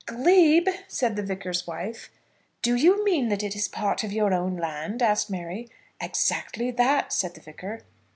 "Glebe!" said the Vicar's wife. "Do you mean that it is part of your own land?" asked Mary. "Exactly that," said the Vicar.